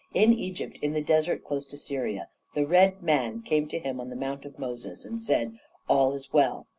In Egypt, in the desert close to Syria, the RED MAN came to him on the Mount of Moses, and said, 'All is well.'